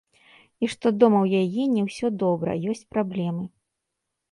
І што дома ў яе не ўсё добра, ёсць праблемы.